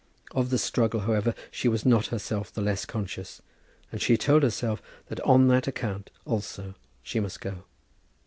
Of the struggle, however, she was not herself the less conscious, and she told herself that on that account also she must go.